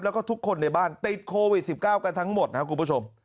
แล้วก็ทุกคนในบ้านติดโควิด๑๙กันทั้งหมดนะครับคุณผู้ชม